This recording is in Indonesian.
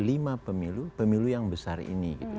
lima pemilu pemilu yang besar ini